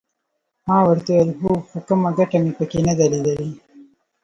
ما ورته وویل هو خو کومه ګټه مې پکې نه ده لیدلې.